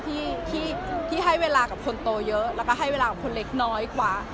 ที่ให้เวลากับคนโตเยอะแล้วก็ให้เวลากับคนเล็กน้อยกว่า